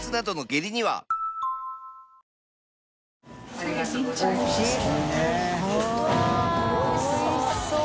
これおいしそう。